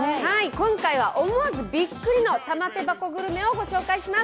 今回は思わずびっくり玉手箱グルメをご紹介します。